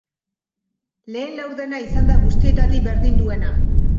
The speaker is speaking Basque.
Lehen laurdena izan da guztietatik berdinduena.